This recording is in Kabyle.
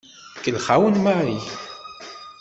Tkellex-awen Mary.